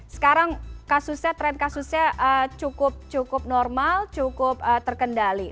sekarang kasusnya tren kasusnya cukup normal cukup terkendali